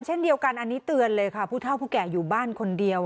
เช่นเดียวกันอันนี้เตือนเลยค่ะผู้เท่าผู้แก่อยู่บ้านคนเดียว